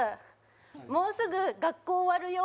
もうすぐ学校終わるよ。